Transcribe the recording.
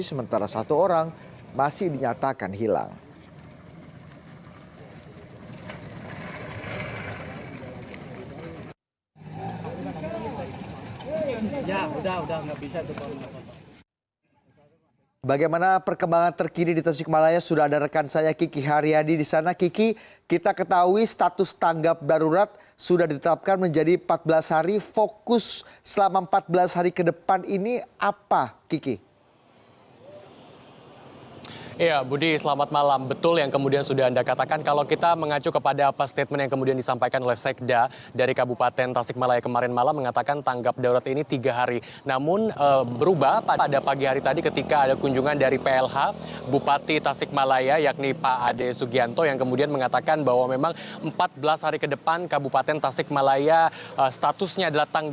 sementara satu orang masih dinyatakan hilang